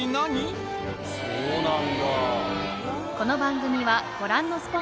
今そうなんだ。